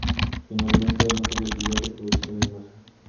Finalmente, no se decidió su producción en masa.